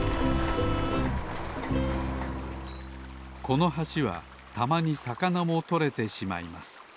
この橋はたまにさかなもとれてしまいます。